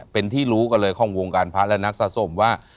เป็นที่รู้กันเลยของวงการพระและนักสะสมว่า